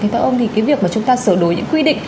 theo ông thì cái việc mà chúng ta sửa đổi những quy định